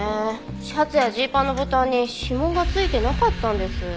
シャツやジーパンのボタンに指紋が付いてなかったんです。